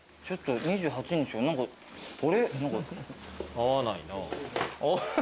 合わないな。